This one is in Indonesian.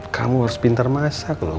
kamu harus pintar masak loh